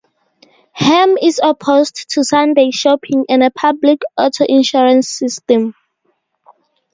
Hamm is opposed to Sunday shopping and a public auto insurance system.